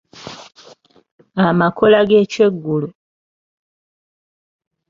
Amakola g’ekyeggulo.